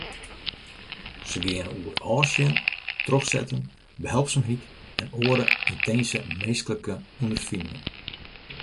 Se geane oer ôfsjen, trochsetten, behelpsumheid en oare yntinse minsklike ûnderfiningen.